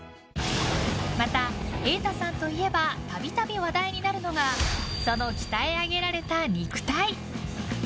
また、瑛太さんといえば度々話題になるのがその鍛え上げられた肉体。